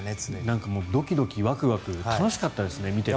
なんかドキドキワクワク楽しかったですね、見てて。